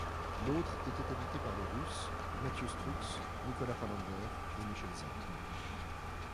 L’autre était habité par les Russes, Mathieu Strux, Nicolas Palander et Michel Zorn.